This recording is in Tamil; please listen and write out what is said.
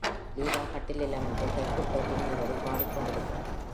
லீலா கட்டிலில் அமர்ந்து கைக்குட்டை பின்னியபடி பாடிக் கொண்டிருக்கிருள்.